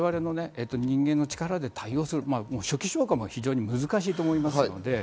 そうすると我々、人間の力で対応する、初期消火も非常に難しいと思います。